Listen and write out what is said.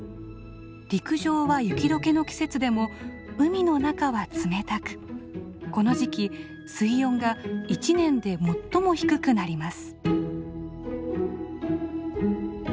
陸上は雪解けの季節でも海の中は冷たくこの時期水温が一年で最も低くなります。